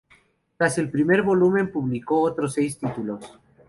Tras el primer volumen publicó otros seis títulos.